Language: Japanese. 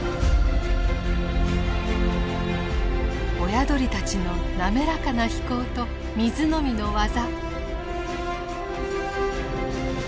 親鳥たちの滑らかな飛行と水飲みの技。